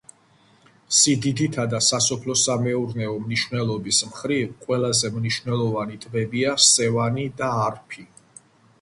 სიდიდითა და სასოფლო-სამეურნეო მნიშვნელობის მხრივ ყველაზე მნიშვნელოვანი ტბებია სევანი და არფი.